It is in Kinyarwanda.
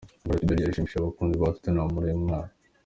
Gareth Bale yashimishije abakunzi ba Tottenham muri uyu mwaka.